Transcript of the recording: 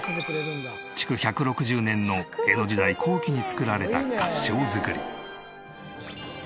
築１６０年の江戸時代後期に作られた合掌造り。